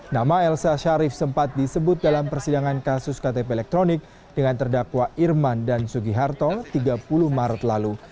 nama elsa sharif sempat disebut dalam persidangan kasus ktp elektronik dengan terdakwa irman dan sugiharto tiga puluh maret lalu